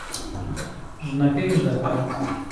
ژنەکە ئیش دەکات.